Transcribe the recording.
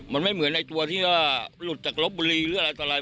มันไม่เหมือนในตัวที่ลุดจากรบบุรีหรืออะไรต่อลาย